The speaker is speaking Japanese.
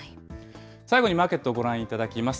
最後にマーケットをご覧いただきます。